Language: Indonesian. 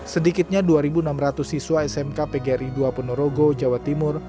sedikitnya dua enam ratus siswa smk pgri dua ponorogo jawa timur